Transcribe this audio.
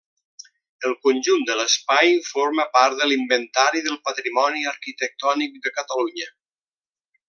El conjunt de l'espai forma part de l'Inventari del Patrimoni Arquitectònic de Catalunya.